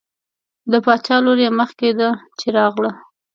د باچا لور یې مخکې ده چې راغله.